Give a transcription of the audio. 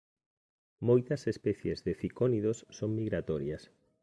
Moitas especies de cicónidos son migratorias.